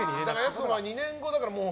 やす子は２年後だからもう。